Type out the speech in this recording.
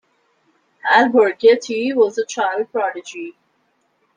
Alberghetti was a child prodigy.